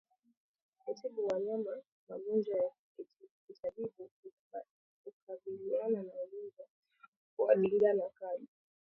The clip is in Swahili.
Kutibu wanyama magonjwa ya kitabibu hukabiliana na ugonjwa wa ndigana kali